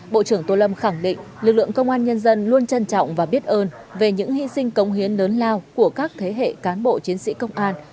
bộ trưởng tô lâm khẳng định lực lượng công an nhân dân luôn trân trọng và biết ơn về những hy sinh công hiến lớn lao của các thế hệ cán bộ chiến sĩ công an